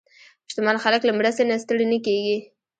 شتمن خلک له مرستې نه ستړي نه کېږي.